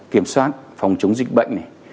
kiểm soát phòng chống dịch bệnh